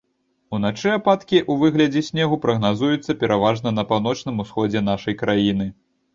Уначы ападкі ў выглядзе снегу прагназуюцца пераважна на паўночным усходзе нашай краіны.